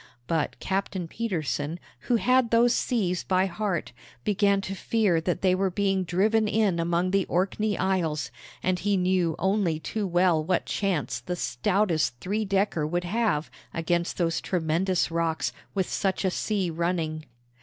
But Captain Petersen, who had those seas by heart, began to fear that they were being driven in among the Orkney Isles, and he knew only too well what chance the stoutest three decker would have against those tremendous rocks with such a sea running.